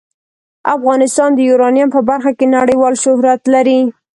افغانستان د یورانیم په برخه کې نړیوال شهرت لري.